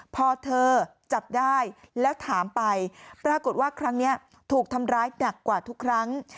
พอเธอจับได้แล้วถามไปปรากฏว่าครั้งนี้ถูกทำร้ายหนักกว่าทุกครั้ง